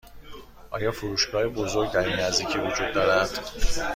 آیا فروشگاه بزرگ در این نزدیکی وجود دارد؟